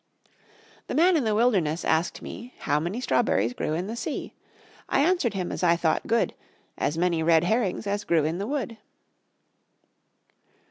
The man in the wilderness Asked me How many strawberries Grew in the sea. I answered him As I thought good, As many red herrings As grew in the wood.